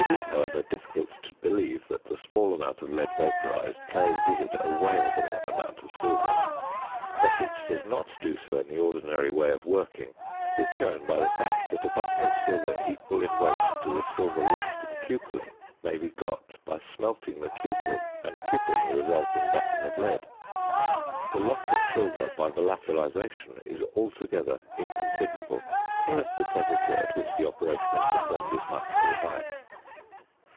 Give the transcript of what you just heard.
It is, however, difficult to believe that the small amount of lead vapourised carries with it a weighable amount of silver. That it does not do so in the ordinary way of working is shown by the fact that a button of silver equal in weight to the silver lost in cupelling may be got by smelting the cupel and cupelling the resulting button of lead. The loss of silver by volatilisation is altogether inconsiderable, unless the temperature at which the operation is performed is much too high.